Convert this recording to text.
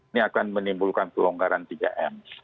ini akan menimbulkan pelonggaran tiga m